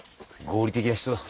合理的な人だ。